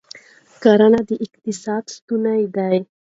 کرنه د اقتصاد ستون ده.